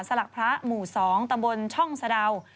สลักพระหมู่๒ตำบลช่องสะดาว